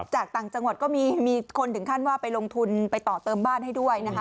จากต่างจังหวัดก็มีคนถึงขั้นว่าไปลงทุนไปต่อเติมบ้านให้ด้วยนะคะ